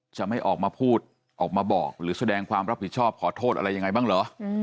จะไม่ออกมาพูดออกมาบอกหรือแสดงความรับผิดชอบขอโทษอะไรยังไงบ้างเหรอ